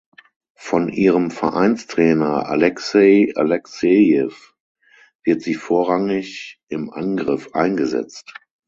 Von ihrem Vereinstrainer Alexei Alexejew wird sie vorrangig im Angriff eingesetzt.